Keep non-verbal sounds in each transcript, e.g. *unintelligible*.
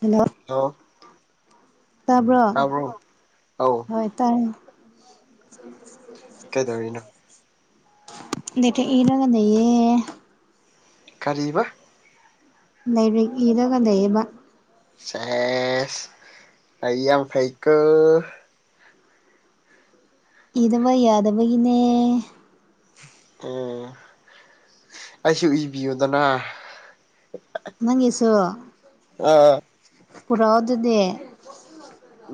Hello ꯂꯣ ꯇꯥꯕ꯭ꯔꯣ ꯑꯧ ꯍꯣꯏ ꯇꯥꯏꯦ ꯀꯩꯗꯧꯔꯤꯅꯣ ꯗꯊ ꯏꯔꯒꯗꯌꯦ ꯀꯔꯤꯕ ꯂꯥꯏꯔꯤꯛ ꯏꯔꯒ ꯂꯩꯔꯤꯕꯕ ꯁꯦꯁ ꯇ ꯌꯥꯝ ꯐꯩꯀ ꯏꯗꯕ ꯌꯥꯗꯕꯒꯤꯅꯦ ꯑꯣ ꯑꯩꯁꯨ ꯏꯕꯤꯌꯨꯗꯅ ꯅꯪꯁꯨꯣ ꯑꯣ ꯀꯔꯣꯗꯅꯦ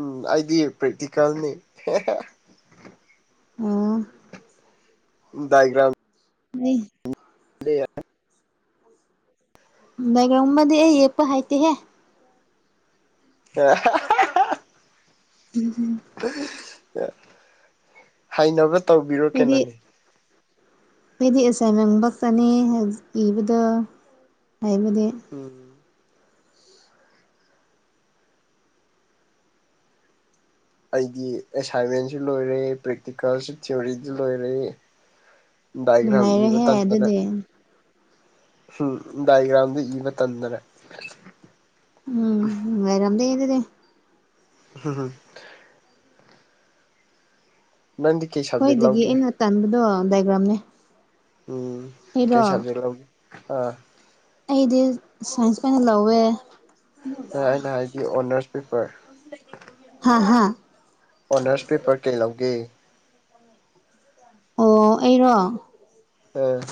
ꯎꯝ ꯑꯩꯗꯤ ꯄ꯭ꯔꯦꯛꯇꯤꯀꯦꯜꯅꯤ ꯑꯣ ꯗꯥꯏꯒ꯭ꯔꯥꯝ ꯅ ꯗꯥꯏꯒꯔꯥꯝ ꯑꯦꯝꯗꯤ ꯌꯦꯀꯄ ꯍꯥꯏꯇꯦ ꯍꯦ ꯑꯍ ꯎꯝꯝ ꯑ ꯍꯅꯕ ꯇꯧꯕꯤꯔꯣ ꯀꯩꯅꯣꯅꯤ ꯈꫭꯏꯗꯤ ꯑꯦꯁꯥꯏꯟꯃꯦꯟ ꯈꯛꯇꯅꯤ ꯏꯕꯗꯣ ꯍꯥꯏꯕꯗꯤ ꯎꯝ ꯑꯩꯗꯤ ꯑꯦꯁꯥꯏꯟꯃꯦꯟꯁꯨ ꯂꯣꯏꯔꯦ ꯄ꯭ꯔꯦꯛꯇꯤꯀꯦꯜꯁꯨ ꯊꯤꯑꯣꯔꯤꯁꯨ ꯂꯣꯏꯔꯦ꯫ ꯗꯥꯏꯒ꯭ꯔꯥꯝ ꯏꯕ ꯅꯨꯡꯉꯥꯏꯔꯦꯍꯦ ꯇꯟꯗꯅ ꯑꯗꯨꯗꯤ ꯎꯝ ꯗꯥꯏꯒ꯭ꯔꯥꯝꯗꫭ ꯏꯕ ꯇꯟꯗꯅ꯫ ꯎꯝꯉꯔꯗ ꯌꯦꯗꯗꯤꯦ ꯍꯝ ꯍꯝ ꯃꯦꯦꯟꯗꯤ ꯍꫭꯏꯗꯒꯤ ꯑꯩꯅ ꯇꯟꯕꯗꯣ ꯗꯥꯏꯒ꯭ꯔꯥꯝꯅꯦ꯫ ꯎꯝ ꯑꯩꯔꯣ ꯀꯩ ꯁꯕꯖꯦꯛ ꯂꯧ ꯑꯥ꯫ ꯑꯩꯗꯤ ꯁꯥꯏꯟꯁ ꯑꯣꯏꯅ ꯂꯧꯋꯦ꯫ ꯅꯦ ꯑꯩꯅ ꯍꯥꯏꯗꯤ ꯑꯣꯅꯔꯁ ꯄꯦꯄꯔ꯫ ꯍꯥ ꯍꯥ꯫ ꯑꯣꯅꯔꯁ ꯄꯦꯄꯔ ꯀꯩ ꯂꯧꯒꯦ꯫ *inaudible* ꯑꯣ ꯑꯩꯔꯣ꯫ ꯑ꯫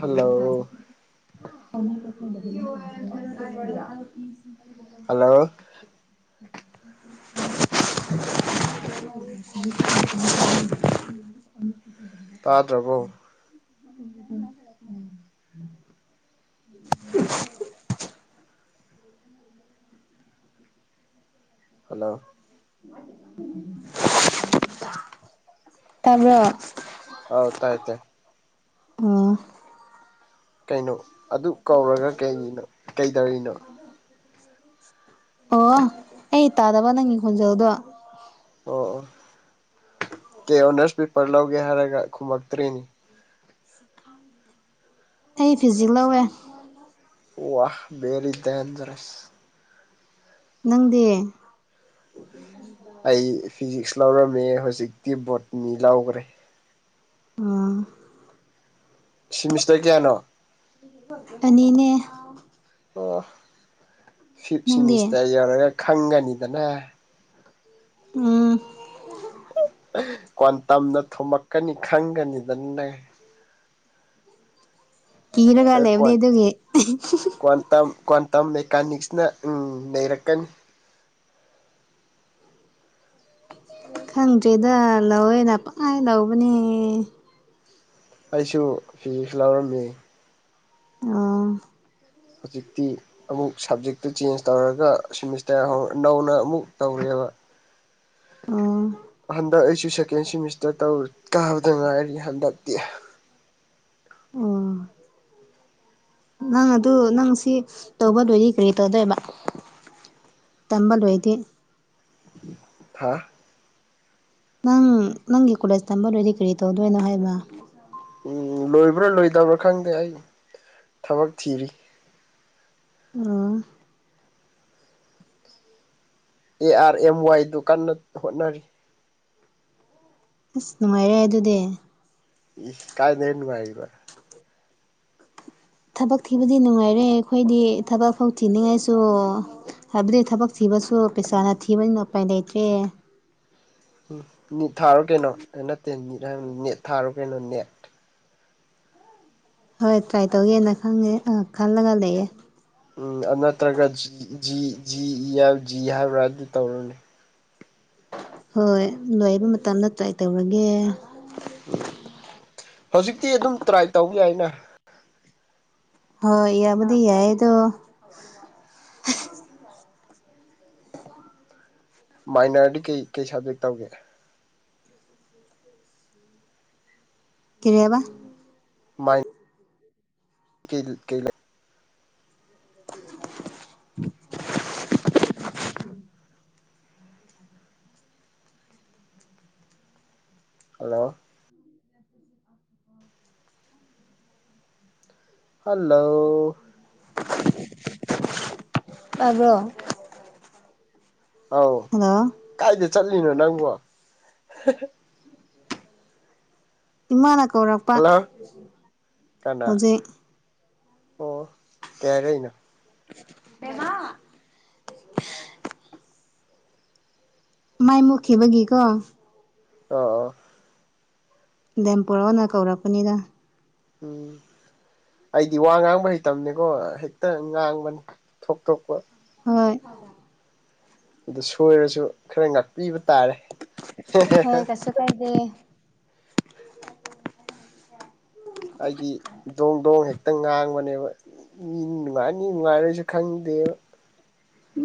ꯍꯜꯂꯣ ꯍꯜꯂꯣ *unintelligible* *unintelligible* ꯇꯥꯗ꯭ꯔꯕꯣ꯫ *inaudible* *inaudible* ꯍꯜꯂꯣ꯫ ꯇꯥꯕ꯭ꯔꯣ꯫ ꯑꯧ ꯇꯥꯏ ꯇꯦ꯫ ꯑꫭ꯫ ꯀꯩꯅꯣ ꯑꯗꯨꯛ ꯀꯧꯔꯒ ꯀꯩꯒꯤꯅꯣ ꯀꯩꯗꯧꯔꯤꯅꯣ꯫ ꯑꯣ ꯑꯩ ꯇꯥꯗꯕ ꯅꯪꯒꯤ ꯈꯣꯟꯖꯦꯜꯗꯣ꯫ ꯑꯣ-ꯑꯣ ꯀꯩ ꯑꯣꯅꯔꯁ ꯄꯦꯄꯔ ꯂꯧꯒꯦ ꯍꯥꯏꯔꯒ ꯈꯨꯝꯃꯛꯇ꯭ꯔꯦꯅꯦ꯫ ꯑꯩ ꯐꯤꯖꯤ ꯂꯧꯋꯦ꯫ ꯋꯥ ꯕꯦꯔꯤ ꯗꯦꯟꯖꯔꯦꯁ꯫ ꯅꯪꯗꯤ꯫ ꯑꯩ ꯐꯤꯖꯤꯛꯁ ꯂꯧꯔꯝꯃꯦ ꯍꯧꯖꯤꯛꯇꯤ ꯕꯣꯇꯅꯤ ꯂꯧꯈ꯭ꯔꯦ꯫ ꯑꫭ꯫ ꯁꯤꯃꯤꯁꯇꯔ ꯀꯌꯥꯅꯣ꯫ ꯑꯅꯤꯅꯦ꯫ ꯑꯣ ꯐꯤꯞ ꯅꯪꯗꯤ ꯁꯤꯃꯤꯁꯇꯔ ꯌꯧꯔꯒ ꯈꯪꯒꯅꯤꯗꯅꯥ꯫ ꯎꯝ꯫ ꯀ꯭ꯋꯥꯟꯇꯝꯅ ꯊꫭꯝꯃꯛꯀꯅꯤ ꯈꯪꯒꯅꯤꯗꯅ ꯅꯪ꯫ ꯀꯤꯔꯒ ꯅꯪ ꯂꯩꯕꯅꯦ ꯀ꯭ꯋꯥꯟ ꯑꯗꯨꯒꯤ꯫ ꯀ꯭ꯋꯥꯟꯇꯝ ꯀ꯭ꯋꯥꯟꯇꯝ ꯃꯦꯀꯥꯅꯤꯛꯁꯅ ꯎꯝ ꯅꯩꯔꯛꯀꯅꯤ꯫ ꯈꯪꯗ꯭ꯔꯦꯗ ꯂꯧꯋꯦꯅ ꯄꯪꯍꯥꯏ ꯂꯧꯕꯅꯤ꯫ ꯑꯩꯁꯨ ꯐꯤꯖꯤꯛꯁ ꯂꯧꯔꯝꯃꯤ꯫ ꯑꫭ꯫ ꯍꯧꯖꯤꯛꯇꯤ ꯑꯃꯨꯛ ꯁꯕꯖꯦꯛꯇꯨ ꯆꯦꯟꯖ ꯇꯧꯔꯒ ꯁꯤꯦꯃꯤꯁꯇꯔ ꯅꯧꯅ ꯑꯃꯨꯛ ꯇꯧꯔꯦꯕ ꯑꯣ ꯍꯟꯗꯀ ꯑꯩꯁꯨ ꯁꯦꯝ ꯁꯦꯀꯦꯟ ꯁꯦꯃꯤꯁꯇꯔ ꯇꯧꯔꯤ ꯀꯥꯕꯗ ꯉꯥꯏꯔꯤ ꯍꯟꯗꯛꯇꯤ *unintelligible* ꯑꯣ ꯅꯪ ꯑꯗꯨ ꯅꯪ ꯁꯤ ꯇꯧꯕꯗꯣꯏꯗꯤ ꯀꯔꯤ ꯇꯧꯗꯣꯏꯕ ꯇꯝꯕꯜ ꯑꯣꯏꯗꯤ ꯍꯥ ꯅꯪ ꯅꯪꯒꯤ ꯀꯣꯂꯦꯖ ꯇꯝꯕꯔꯣꯏꯗꯤ ꯀꯔꯤ ꯇꯧꯗꯣꯏꯅꯣ ꯍꯥꯏꯕ ꯎ ꯂꯣꯏꯕ꯭ꯔꯥ ꯂꯣꯏꯗꯕ꯭ꯔꯥ ꯈꯪꯗꯦ ꯑꯩ ꯊꯕꯛ ꯊꯤꯔꯤ ꯑꯣ꯫ ꯑꯦ ꯑꯥꯔ ꯑꯦꯝ ꯋꯥꯏ ꯗꯨ ꯀꯥꯟꯟꯅ ꯍꯣꯠꯅꯔꯤ꯫ ꯑꯁ ꯅꯨꯡꯉꯥꯏꯔꯦ ꯑꯗꯨꯗꯤ꯫ ꯏ ꯀꯥꯏꯗꯅ ꯅꯨꯡꯉꯥꯏꯔꯤꯕ꯫ ꯊꯕꯛ ꯊꯤꯕꯗꯤ ꯅꯨꯡꯉꯥꯏꯔꯦ ꯑꯩꯈꯣꯏꯗꯤ ꯊꯕꯛ ꯐꯧ ꯊꯤꯅꯤꯡꯉꯥꯏꯁꯨ ꯍꯥꯏꯕꯗꯤ ꯊꯕꯛ ꯊꯤꯕꯁꯨ ꯄꯩꯁꯥꯅ ꯊꯤꯕꯅꯤꯅ ꯎꯄꯥꯏ ꯂꯩꯇ꯭ꯔꯦ꯫ ꯎꯝ ꯅꯤꯠ ꯊꯥꯔꯣ ꯀꯩꯅꯣ ꯑꯦ ꯅꯠꯇꯦ ꯅꯤꯠ ꯍꯥꯏꯕ ꯅꯦꯠ ꯊꯥꯔꯣ ꯀꯩꯅꯣ ꯅꯦꯠ꯫ ꯍꯣꯏ ꯇ꯭ꯔꯥꯏ ꯇꯧꯒꯦꯅ ꯈꯪꯉꯦ ꯑ ꯈꯜꯂꯒ ꯂꯩꯌꯦ꯫ ꯎꯝ ꯑ ꯅꯠꯇ꯭ꯔꯒ ꯖꯤ ꯖꯤ ꯏ ꯍꯥꯏ ꯖꯤ ꯍꯥꯏꯕ꯭ꯔꯥ ꯑꯗꯨ ꯇꯧꯔꫭꯅꯦ꯫ ꯍꯣꯏ ꯂꯣꯏꯕ ꯃꯇꯝꯗ ꯇ꯭ꯔꯥꯏ ꯇꯧꯔꯒꯦ ꯎꯝ ꯍꯧꯖꯤꯛꯇꯤ ꯑꯗꯨꯝ ꯇ꯭ꯔꯥꯏ ꯇꯧꯒꯦ ꯌꯥꯏꯅ ꯍꯣꯏ ꯏꯕꯗꯤ ꯌꯥꯏꯑꯗꯣ ꯃꯥꯏꯅꯔꯗꯤ ꯀꯩ ꯀꯩ ꯁꯕꯖꯦꯛ ꯇꯧꯒꯦ *unintelligible* ꯀꯔꯤ ꯍꯥꯏꯕ ꯃꯥꯏ ꯀ *unintelligible* ꯀꯩꯂꯩ *unintelligible* ꯍꯜꯂꯣ ꯍꯜꯂꯣ ꯇꯥꯕ꯭ꯔꯣ ꯑꯥꯎ ꯍꯜꯂꯣ ꯀꯥꯏꯗ ꯆꯠꯂꯤꯅꯣ ꯅꯪꯕꯣ ꯏꯅ ꯑꯀꯧꯔꯞ ꯍꯜꯂꯣ ꯀꯅꯥ ꯑꯣ ꯀꯩ ꯍꯥꯏꯔꯛꯏꯅꯣ ꯃꯃ ꯃꯥꯏ ꯃꯨꯈꯤꯕꯒꯤ ꯀꯣ ꯑꯥ ꯑ ꯗꯦꯝꯄꯣꯔꯣꯅ ꯀꯧꯔꯛꯄꯅꯤꯗ ꯎꯝ ꯑꯩꯗꯤ ꯋꯥ ꯉꯥꯡꯕ ꯍꯩꯇꯕꯅꯦꯀꯣ ꯍꯦꯛꯇ ꯉꯥꯡꯕꯅꯤ ꯊꯣꯛꯇ ꯊꯣꯛꯄ ꯍꯣꯏ ꯑꯗꯨ ꯁꯣꯏꯔꯁꯨ ꯈꯔ ꯉꯥꯛꯄꯤꯕ ꯇꯥꯔꯦ ꯍꯣꯏ ꯀꯁꯨ ꯀꯥꯏꯗꯦ ꯍꯥꯏꯗꯤ ꯗꯣꯡ ꯗꯣꯡ ꯍꯦꯛꯇ ꯉꯥꯡꯕꯅꯦꯕ ꯃꯤ ꯅꯨꯡꯉꯥꯏꯅꯤ ꯅꯨꯡꯉꯥꯏꯔꯁꯨ ꯈꯪꯗꯦꯕ ꯎ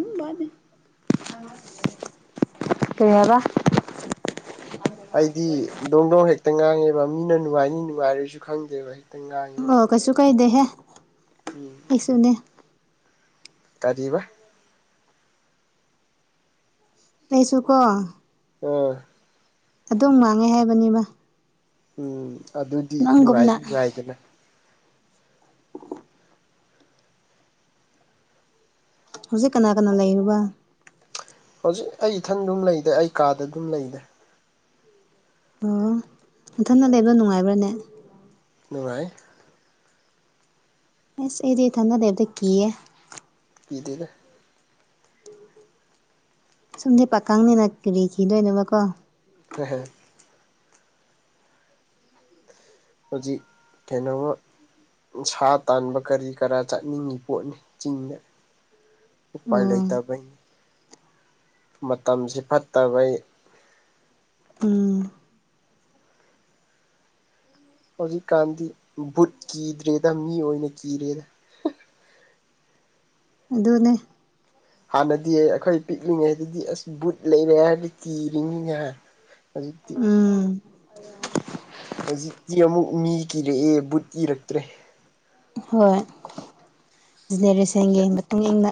ꯀꯩ ꯍꯥꯏꯕ ꯑꯩꯗꯤ ꯗꯣꯡ ꯗꯣꯡ ꯍꯦꯛꯇ ꯉꯥꯡꯉꯦꯕ ꯃꯤꯅ ꯅꯨꯡꯉꯥꯏꯅꯤ ꯅꯨꯡꯉꯥꯏꯔꯁꯨ ꯈꯪꯗꯦꯕ ꯍꯦꯛꯇ ꯉꯥꯏꯉ ꯑꯣ ꯀꯩꯁꯨ ꯀꯥꯏꯗꯦꯍꯦ ꯎꯝ ꯑꯩꯁꯨꯅꯦ ꯇꯔꯤꯕ ꯇꯩꯁꯨ ꯀꯣ ꯑꯥ ꯑꯗꯨꯝ ꯃꯥꯡꯉꯦ ꯍꯥꯏꯕꯅꯦꯕ ꯎꯝ ꯑꯗꯨꯗꯤ ꯅꯨꯡꯉꯥꯏ ꯅꯪꯒꯨꯝꯅ ꯅꯨꯡꯉꯥꯏꯗꯅ ꯍꯧꯖꯤꯛ ꯀꯅꯥ ꯀꯅꯥ ꯂꯩꯌꯦꯕ ꯍꯧꯖꯤꯛ ꯑꯩ ꯏꯊꯟ ꯑꯗꯨꯝ ꯂꯩꯗ ꯑꯩ ꯀꯥꯗ ꯑꯗꯨꯝ ꯂꯩꯗ ꯑꫭ ꯅꯊꯟꯗ ꯂꯩꯕꯗꯨ ꯅꯨꯡꯉꯥꯏ ꯕꯔꯅꯦ ꯅꯨꯡꯉꯥꯏ ꯑꯦꯁ ꯑꯩꯗꯤ ꯊꯝꯅꯗꯦꯕꯗ ꯀꯦ ꯏꯗꯅ ꯑꯁꯨꯝꯗꯤꯦ ꯄꯥꯀꯪꯅꯦꯅ ꯀꯈꯤꯗꯣꯏꯅꯦꯕ ꯀꯣ ꯍ ꯍꯧꯖꯤꯛ ꯀꯩꯅꫭꯃ ꯁꯥ ꯇꯥꯟꯕ ꯀꯔꯤ ꯀꯔꯥ ꯆꯠꯅꯤꯡꯉꯤ ꯄꯣꯠꯅꯤ ꯆꯤꯡꯗ ꯎ ꯄꯥꯏ ꯑꯣ ꯂꯩꯗꯕꯩ ꯃꯇꯝꯁꯤ ꯐꯠꯇꯕꯩ ꯎꯝ ꯍꯧꯖꯤꯛꯀꯥꯟꯗꯤ ꯕꯨꯠ ꯀꯤꯗ꯭ꯔꯦꯗ ꯃꯤ ꯑꯣꯏꯅ ꯀꯤꯔꯦꯗ ꯑꯗꯨꯅꯦ ꯍꯥꯟꯅꯗꯤ ꯑꯩꯈꯣꯏ ꯄꯤꯛꯂꯤꯉꯩꯗꯗꯤ ꯑꯁ ꯕꯨꯠ ꯂꯩꯔꯦ ꯍꯥꯏꯕꯗ ꯀꯤꯔꯤꯅꯤꯅꯦ ꯈꯩꯖꯤꯛ ꯎꯝ ꯍꯧꯖꯤꯛꯇꯤ ꯑꯃꯨꯛ ꯃꯤ ꯀꯤꯔꯛꯑꯦ ꯕꯨꯠ ꯀꯤꯔꯛꯇ꯭ꯔꯦ ꯍꯣꯏ ꯖꯦꯅꯦꯔꯦꯁꯟꯒꯤ ꯃꯇꯨꯡꯏꯟꯅ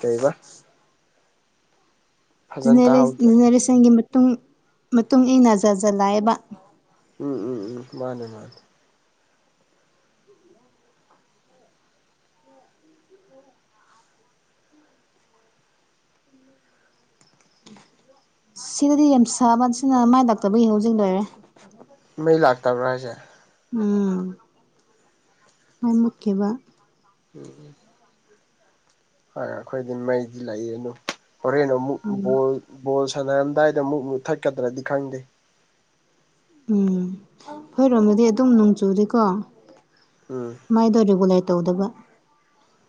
ꯀꯩꯕ ꯐꯖꯅ ꯖꯦꯅꯦꯔꯦ ꯇꯥꯍꯧꯗ꯭ꯔꯦ ꯖꯦꯅꯦꯔꯦꯁꯟꯒꯤ ꯃꯇꯨꯡ ꯃꯇꯨꯡ ꯏꯟꯅ ꯖꯥꯠ ꯖꯥ ꯂꯥꯛꯑꯦꯕ ꯎꯝ ꯎꯝ ꯎꯝ ꯃꯥꯅꯦ ꯃꯥꯅꯦ ꯁꯤꯗꯗꯤ ꯌꯥꯝ ꯁꯥꯕ ꯁꯤꯅ ꯃꯥꯏ ꯗꯥꯛꯇꯕꯨ ꯌꯦꯡꯍꯧ ꯖꯤꯡ ꯂꯣꯏꯔꯦ ꯃꯩ ꯂꯥꯛꯇꯕ꯭ꯔꯥ ꯍꯥꯏꯁꯦ ꯎꯝ ꯃꯩ ꯃꯨꯠꯀꯤꯕ ꯎꯝ ꯍꫭꯏ ꯑꯩꯈꯣꯏꯗꯤ ꯃꯩꯗꯤ ꯂꯥꯛꯏꯗꯨꯝ ꯍꯣꯔꯦꯟ ꯑꯃꯨꯛ ꯎꯝ ꯕꯣꯜ ꯕꯣꯜ ꯁꯥꯟꯅꯔꯝꯗꯥꯏꯗ ꯑꯃꯨꯛ ꯃꯨꯛ ꯊꯠꯀꯗ꯭ꯔꯗꯤ ꯈꯪꯗꯦ ꯎꯝ ꯐꯣꯏꯔꯣꯝꯃꯗꯤ ꯑꯗꯨꯝ ꯅꯣꯡꯆꯨꯔꯤꯀꯣ ꯎꯝ ꯃꯥꯏꯗꯣ ꯔꯤꯒꯨꯂꯠ ꯇꯧꯗꯕ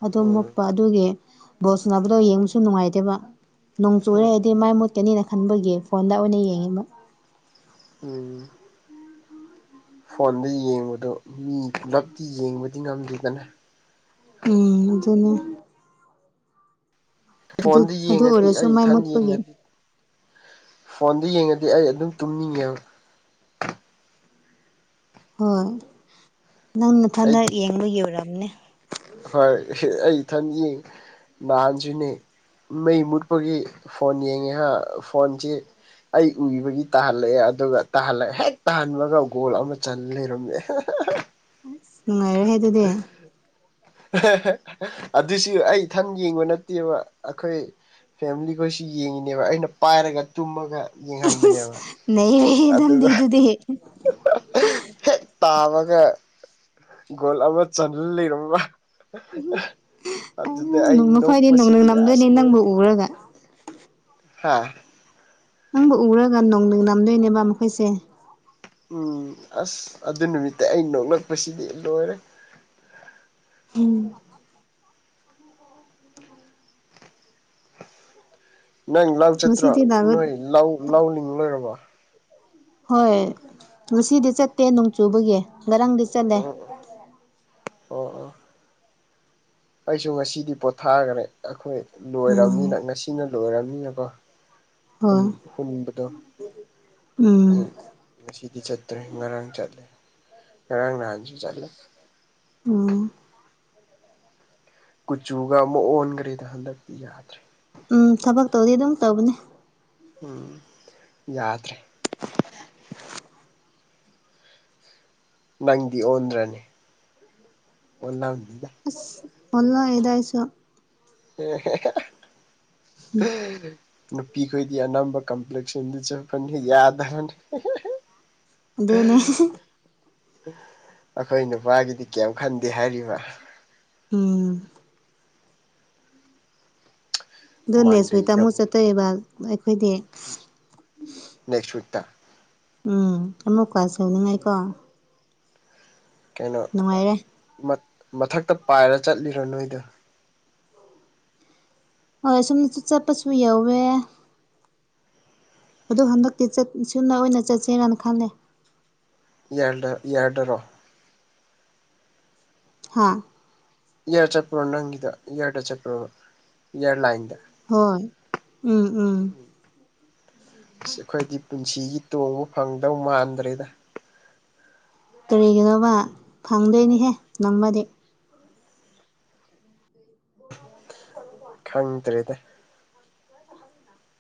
ꯑꯗꯨ ꯎꯝ ꯃꯨꯠꯄ ꯑꯗꯨꯒꯤ ꯕꯣꯁꯅꯕꯗꯣ ꯌꯦꯡꯕꯁꯨ ꯅꯨꯡꯉꯥꯏꯇꯦꯕ ꯅꯣꯡ ꯆꯨꯔꯦ ꯍꯥꯏꯗꯤ ꯃꯥꯏ ꯃꯨ ꯀꯅꯦꯅ ꯈꯟꯕꯒꯤ ꯐꯣꯟꯗ ꯑꯣꯏꯅ ꯌꯦꯡꯉꯦꯕ ꯎꯝ ꯐꯣꯟꯗ ꯌꯦꯡꯕꯗꯣ ꯃꯤ ꯄꯨꯂꯞꯇꯤ ꯌꯦꯡꯕꯗꯤ ꯉꯝꯗꯦꯗꯅ ꯎꯝ ꯑꯗꯨꯅꯦ ꯑꯗꯨ ꯐꯣꯟꯗꯤ ꯑꯗꯨ ꯌꯦꯡꯉꯗꯤ ꯑꯣꯏꯔꯁꯨ ꯑꯩ ꯃꯥꯏ ꯏꯊꯟ ꯃꯨꯠꯄꯒꯤ ꯌꯦꯡꯉꯗꯤ ꯐꯣꯟꯗ ꯌꯦꯡꯉꯗꯤ ꯑꯩ ꯑꯗꯨꯝ ꯇꯨꯝꯅꯤꯡꯉꯦꯕ ꯍꯣꯏ ꯅꯪꯅꯊꯟꯗ ꯑꯩꯗꯤ ꯌꯦꯡꯕꯒꯤ ꯑꫭꯏꯔꯝꯅꯤ ꯍꯣꯏ ꯑꯩ ꯏꯊꯟ ꯌꯦꯡ ꯅꯍꯥꯟꯁꯨꯅꯦ ꯃꯩ ꯃꯨꯠꯄꯒꯤ ꯐꯣꯟ ꯌꯦꯡꯉꯦꯍꯥ ꯐꯣꯟꯁꯤ ꯑꯩ ꯎꯏꯕꯒꯤ ꯇꯥꯍꯜꯂꯛꯑꯦ ꯑꯗꯨꯒ ꯇꯍꯜꯂꯦ ꯍꯦꯛ ꯇꯥꯍꯟꯕꯒ ꯒꯣꯜ ꯑꯃ ꯆꯜ ꯂꯩꯔꯝꯃꯦ ꯎꯔ *unintelligible* ꯑꯥ ꯑꯗꯨꯁꯨ ꯑꯩ ꯏꯊꯟ ꯌꯦꯡꯕ ꯅꯠꯇꯦꯕ ꯑꯩꯈꯣꯏ ꯐꯦꯃꯤꯂꯤꯒꫭꯏꯁꯨ ꯌꯦꯡꯉꯤꯅꯦꯕ ꯑꯩꯅ ꯄꯥꯏꯔꯒ ꯇꯨꯝꯃꯒ ꯌꯦꯡꯍꯟꯕꯅꯦꯕ ꯅꯩꯔꯦꯍꯦ ꯑꯗꯩꯝꯗꯤ ꯑꯗꯨꯒ ꯗꯨꯗꯤ ꯍꯦꯛ ꯇꯥꯕꯒ ꯒꯣꯜ ꯑꯃ ꯆꯜꯂ ꯂꯩꯔꯝꯕ ꯑꯗꯨꯗ ꯑꯩ ꯃꯈꯣꯏꯗꯤ ꯅꯣꯡꯅꯤꯡ ꯅꯣꯛꯄꯁꯤꯗꯤ ꯅꯝꯗꯣꯏꯅꯤ ꯑꯁ ꯂꯣꯏꯔꯦ ꯅꯪꯕꯨ ꯎꯔꯒ ꯍꯥ ꯅꯪꯕꯨ ꯎꯔꯒ ꯅꯣꯡꯗ ꯅꯝꯗꯣꯏꯅꯦꯕ ꯃꯈꯣꯏꯁꯦ ꯎꯝ ꯑꯁ ꯑꯗꯨ ꯅꯨꯃꯤꯠꯇ ꯑꯩ ꯅꯣꯛꯂꯛꯄꯁꯤꯗꯤ ꯂꯣꯏꯔꯦ ꯎꯝ ꯑꯣ *unintelligible* ꯅꯪ ꯂꯧ ꯆꯠꯇ꯭ꯔꯣ ꯉꯁꯤꯗꯤ ꯂꯥꯛ ꯅꯣꯏ ꯂꯧ ꯂꯧꯂꯤꯡ ꯂꯣꯏꯔꯕꯣ ꯍꯣꯏ ꯉꯁꯤꯗꯤ ꯆꯠꯇꯦ ꯅꯣꯡꯆꯨꯕꯒꯤ ꯉꯔꯥꯡꯗꯤ ꯆꯠꯂꯦ ꯑꯣ ꯑꯣ ꯑꯣ ꯑꯣ ꯑꯩꯁꯨ ꯉꯁꯤꯗꯤ ꯄꯣꯊꯥꯈ꯭ꯔꯦ ꯑꯩꯈꯣꯏ ꯂꯣꯏꯔꯕꯅꯤꯅ ꯎꯝ ꯉꯁꯤꯅ ꯂꯣꯏꯔꯕꯅꯤꯅꯀꯣ ꯍꯣꯏ ꯍꯨꯝꯕꯗꯣ ꯎꯝ ꯑꯇꯩ ꯉꯁꯤꯗꯤ ꯆꯠꯇ꯭ꯔꯦ ꯉꯔꯥꯡ ꯆꯠꯂꯦ ꯉꯔꯥꯡ ꯅꯍꯥꯟꯁꯨ ꯆꯠꯂꯦ ꯑ ꯀꯨꯆꯨꯒ ꯑꯃꯨꯛ ꯑꯣꯟꯈ꯭ꯔꯦꯗ ꯍꯟꯗꯛꯇꯤ ꯌꯥꯗ꯭ꯔꯦ ꯎꯝ ꯊꯕꯛꯇꯧꯗꯤ ꯑꯗꯨꯝ ꯇꯧꯕꯅꯦ ꯎꯝ ꯌꯥꯗ꯭ꯔꯦ ꯅꯪꯗꯤ ꯑꯣꯟꯗ꯭ꯔꯅꯤ ꯑꯣꯟꯂꯝꯑꯅꯤꯗ ꯑꯁ ꯑꯣꯟꯅꯣ ꯌꯦꯗ ꯍꯥꯏꯁꯨ *unintelligible* ꯅꯨꯄꯤꯈꯣꯏꯗꯤ ꯑꯅꯝꯕ ꯀꯝꯄ꯭ꯂꯦꯛꯁꯟꯗ ꯆꯠꯄꯅꯤ ꯌꯥꯗ꯭ꯔꯅꯤ ꯑꯗꯨꯅꯦ ꯑꯩꯈꯣꯏ ꯅꯨꯄꯥꯒꯤꯗꯤ ꯀꯔꯤꯝ ꯈꯟꯗꯦ ꯍꯥꯏꯔꯤꯕ ꯎꯝ ꯗꯣꯅꯦꯁ ꯍ ꯃꯟꯗꯦꯗ ꯇꯥꯃꯣ ꯑꯃꯨꯛ ꯆꯠꯠꯇꯔꯤꯕ ꯑꯩꯈꯣꯏꯗꯤ ꯅꯦꯛꯁ ꯋꯤꯛ ꯇ ꯎꯝ ꯑꯃꯨꯛꯀ ꯁꯧꯅꯤꯡꯉꯥꯏꯀꯣ ꯀꯩꯅꯣ ꯅꯨꯡꯉꯥꯏꯔꯦ ꯃꯊꯛꯇ ꯄꯥꯏꯔ ꯆꯠꯂꯤꯔꯣ ꯅꯣꯏꯗꯣ ꯍꯣꯏ ꯁꯣꯨꯝꯗꯁꯨ ꯆꯠꯄꯁꯨ ꯌꯧꯋꯦ ꯑꯗꯨꯗ ꯍꯟꯗꯛꯇꯤ ꯁꯨꯅ ꯑꯣꯏꯅ ꯆꯠꯁꯦꯔꯅ ꯈꯜꯂꯦ ꯌꯦꯔꯗ ꯏꯔꯗꯔꯣ ꯍꯥꯥ ꯏꯌꯥꯔ ꯆꯠꯄ꯭ꯔꯣ ꯅꯪꯒꯤꯗ ꯏꯌꯥꯔꯗ ꯆꯠꯄ꯭ꯔꯣ ꯏꯌꯥꯔꯂꯥꯏꯟꯗ ꯍꯣꯏ ꯎꯝ ꯎꯝ ꯑꯁ ꯑꯩꯈꯣꯏꯗꯤ ꯄꯨꯟꯁꯤꯒꯤ ꯇꯣꯡꯕ ꯐꯪꯗꯧ ꯃꯥꯟꯗ꯭ꯔꯦꯗ ꯀꯔꯤꯒꯤꯅꯣꯧꯕ ꯐꯪꯗꯣꯏꯅꯤꯍꯦ ꯅꯪꯃꯗꯤ ꯍ ꯣ ꯈꯪꯗ꯭ꯔꯦꯗ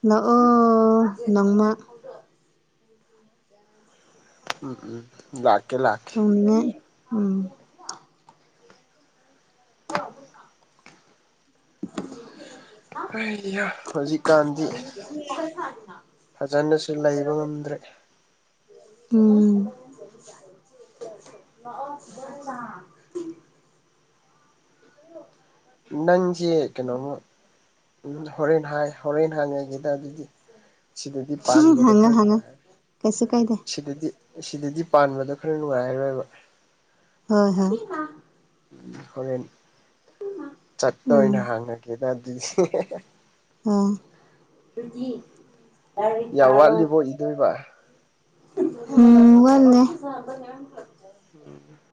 ꯅꯪ ꯑꯣ ꯅꯪꯃ ꯎꯝ ꯎꯝ ꯂꯥꯛꯀꯦ ꯂꯥꯛꯀꯦ ꯇꯅꯤꯡꯉ ꯎꯝ ꯑ ꯑꯩ ꯍꯧꯖꯤꯛꯀꯥꯟꯗꯤ ꯁ ꯐꯖꯅꯁꯨ ꯂꯩꯕ ꯉꯝꯗ꯭ꯔꯦ ꯎꯝ ꯍ ꯅꯟꯖꯦ ꯀꯩꯅꯣꯣ ꯍꯣꯔꯦꯟ ꯍꯥꯏ ꯍꯣꯔꯦꯟ ꯍꯥꯡꯉꯒꯦꯗ ꯑꯗꯨꯗꯤ ꯁꯤꯗꯗꯤ ꯄꯥꯟꯕꯗꯣ ꯈꯔ ꯅꯨꯡꯉꯥꯏꯔꯦ ꯀꯁ ꯀꯥꯏꯗ ꯑꯁꯤꯗꯗꯤ ꯄꯥꯟꯕꯗꯣ ꯈꯔ ꯅꯨꯡꯉꯥꯏꯔꯣꯏꯕ ꯍꯣꯏ ꯍꯣꯏ ꯎ ꯍꯣꯔꯦꯟ ꯆꯠꯠꯇ ꯑꯣꯏꯅ ꯎꯝ ꯍꯥꯡꯉꯒꯦꯗ ꯑꯗꯨꯗꯤ ꯑꯥ ꯌꯥ ꯋꯥꯠꯂꯤꯕꯣ ꯏꯗꯣꯏꯕ ꯎ ꯎꯝ ꯎꯝ ꯋꯥꯦ ꯎꯝ